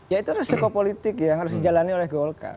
ya itu resiko politik yang harus dijalani oleh golkar